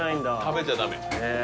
食べちゃダメえ